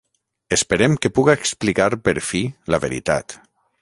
Esperem que puga explicar per fi la veritat.